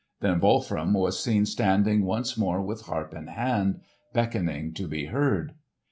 Then Wolfram was seen standing once more with harp in hand, beckoning to be heard.